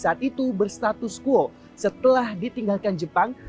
saat itu berstatus kuo setelah ditinggalkan jepang